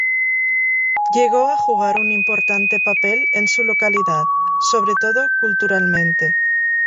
Llegó a jugar un importante papel en su localidad, sobre todo culturalmente.